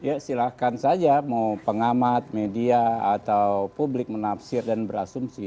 ya silahkan saja mau pengamat media atau publik menafsir dan berasumsi